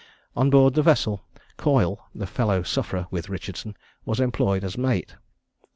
On board the vessel, Coyle, the fellow sufferer with Richardson, was employed as mate.